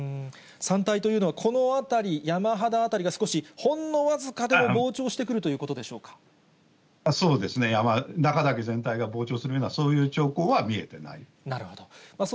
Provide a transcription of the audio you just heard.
山体というのは、この辺り、山肌辺りが少し、ほんの僅かでも膨張してくるということでしょうそうですね、中岳全体が膨張するような、そういうちょう